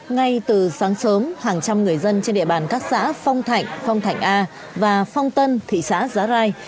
ngay từ sáng sớm hàng trăm người dân trên địa bàn các xã phong thạnh phong thạnh a và phong tân thị xã giá rai